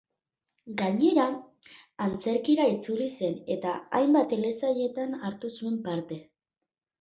Gainera, antzerkira itzuli zen eta hainbat telesailetan hartu zuen parte.